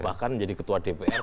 bahkan jadi ketua dpr